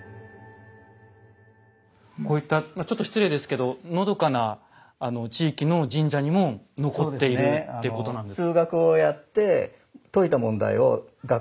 こういったちょっと失礼ですけどのどかな地域の神社にも残っているってことなんですね。